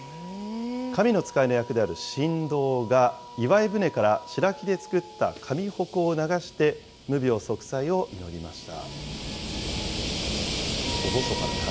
神の使いの役である神童が、斎船から白木でつくった神鉾を流して無病息災を祈りました。